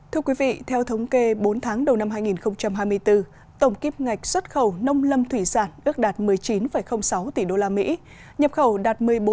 thưa quý vị theo thống kê bốn tháng đầu năm hai nghìn hai mươi bốn tổng kiếp ngạch xuất khẩu nông lâm thủy sản ước đạt một mươi chín sáu tỷ usd